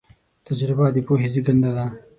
تجربه د پوهې زېږنده ده.